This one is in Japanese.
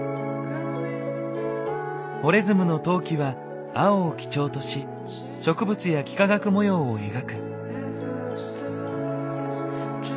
ホレズムの陶器は青を基調とし植物や幾何学模様を描く。